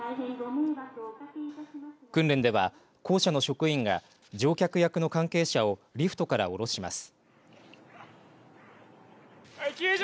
訓練では公社の職員が乗客役の関係者をリフトから降ろします。